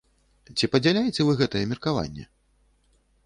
Ці падзяляеце вы гэтае меркаванне?